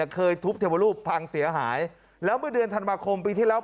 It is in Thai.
เคยทุบเทวรูปพังเสียหายแล้วเมื่อเดือนธันวาคมปีที่แล้ว